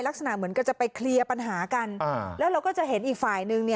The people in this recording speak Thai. ลักษณะเหมือนกับจะไปเคลียร์ปัญหากันแล้วเราก็จะเห็นอีกฝ่ายนึง